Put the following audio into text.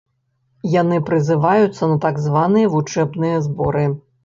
Яны прызываюцца на так званыя вучэбныя зборы.